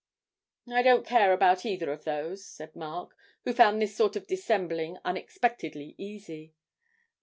"' 'I don't care about either of those,' said Mark, who found this sort of dissembling unexpectedly easy.